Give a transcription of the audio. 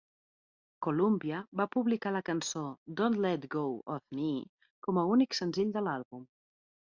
Columbia va publicar la cançó "Don't Let Go of Me" com a únic senzill de l'àlbum.